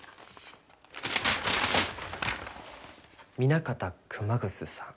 南方熊楠さん。